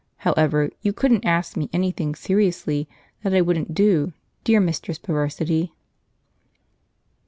However, you couldn't ask me anything seriously that I wouldn't do, dear Mistress Perversity."